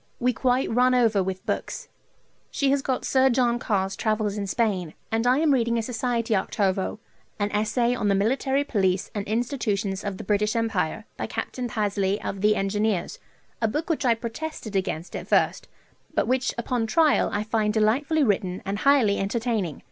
We quite run over with books. She has got Sir John Carr's "Travels in Spain," and I am reading a Society octavo, an "Essay on the Military Police and Institutions of the British Empire," by Capt. Pasley of the Engineers, a book which I protested against at first, but which upon trial I find delightfully written and highly entertaining.